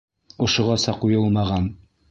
Ошоғаса ҡуйылмаған!